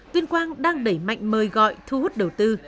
tuyên quang đang đẩy mạnh mời gọi thu hút đầu tư